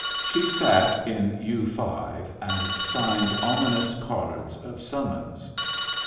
She sat in U. 5, and signed ominous cards of summons.